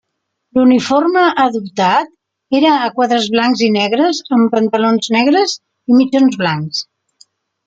L'uniforme adoptat era a quadres blancs i negres amb pantalons negres i mitjons blancs.